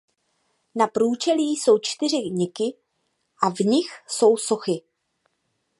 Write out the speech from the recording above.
Na průčelí jsou čtyři niky a v nich jsou sochy.